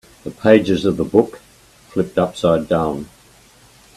The pages of the book flipped upside down.